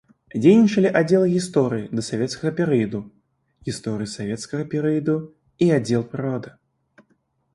Дзейнічалі аддзелы гісторыі дасавецкага перыяду, гісторыі савецкага перыяду і аддзел прыроды.